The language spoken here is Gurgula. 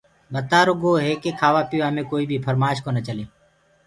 ٻتآرو گوو هي ڪي کآوآ پيوآ مي ڪوئيٚ بيٚ ڦرمآش ڪونآ چلسيٚ